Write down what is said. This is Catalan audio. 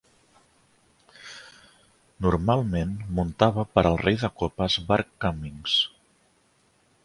Normalment, muntava per al "rei de copes" Bart Cummings.